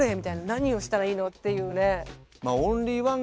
「何をしたらいいの？」っていうね。